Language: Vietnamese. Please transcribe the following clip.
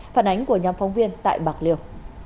phản ánh của nhóm phóng viên tại bạc liêu